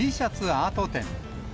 アート展。